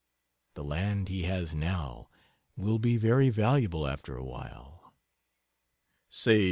The land he has now will be very valuable after a while S. L.